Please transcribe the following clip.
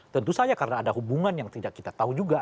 tentu saja karena ada hubungan yang tidak kita tahu juga